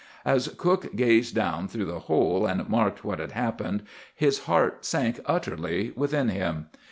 "As cook gazed down through the hole, and marked what had happened, his heart sank utterly within him.